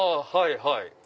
はいはい。